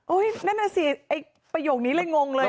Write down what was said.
นั่นน่ะสิประโยคนี้เลยงงเลย